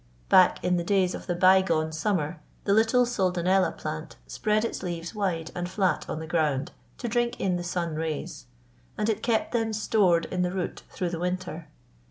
"Back in the days of the bygone summer the little soldanella plant spread its leaves wide and flat on the ground to drink in the sun rays; and it kept them stored in the root through the winter.